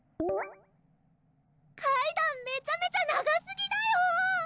階段めちゃめちゃ長すぎだよ